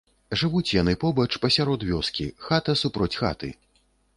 Жывуць яны побач, пасярод вёскі, хата супроць хаты.